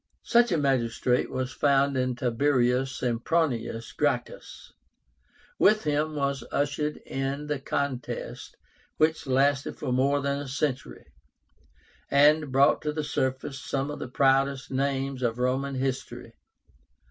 Such a magistrate was found in TIBERIUS SEMPRONIUS GRACCHUS. With him was ushered in the contest which lasted for more than a century, and brought to the surface some of the proudest names of Roman history.